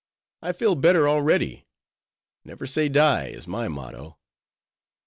I feel better already. Never say die, is my motto."